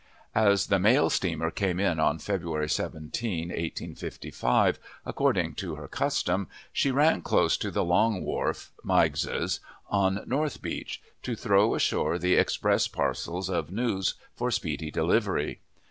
As the mail steamer came in on February 17, 1855, according to her custom, she ran close to the Long Wharf (Meiggs's) on North Beach, to throw ashore the express parcels of news for speedy delivery.